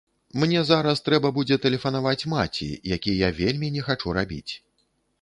Мне зараз трэба будзе тэлефанаваць маці, які я вельмі не хачу рабіць.